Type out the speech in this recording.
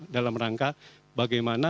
dalam rangka bagaimana